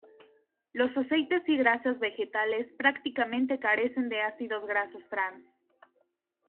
Los aceites y grasas vegetales prácticamente carecen de ácidos grasos trans.